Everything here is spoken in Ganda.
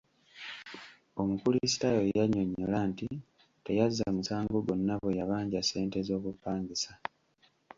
Omukulisitaayo yanyonyola nti teyazza musango gwonna bwe yabanja ssente z'obupangisa.